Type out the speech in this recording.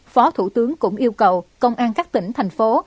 phó thủ tướng cũng yêu cầu công an các tỉnh thành phố